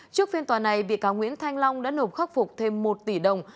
trước phiên tòa này bị cáo nguyễn thanh long đã nộp khắc phục thêm một tỷ đồng